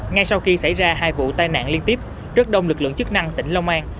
ngay sau khi xảy ra hai vụ tai nạn liên tiếp rất đông lực lượng chức năng tỉnh long an